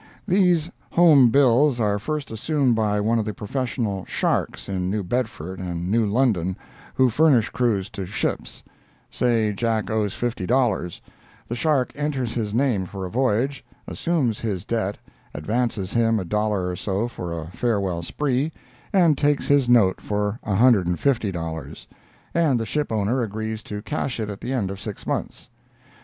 These "home bills" are first assumed by one of the professional "sharks" in New Bedford and New London who furnish crews to ships; say Jack owes fifty dollars; the shark enters his name for a voyage, assumes his debt, advances him a dollar or so for a farewell spree, and takes his note for $150; and the ship owner agrees to cash it at the end of six months.